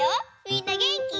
みんなげんき？